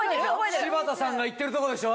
柴田さんが行ってるとこでしょ？